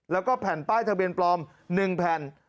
แล้วก็แผ่นป้ายทะเบียนปลอม๑แผ่น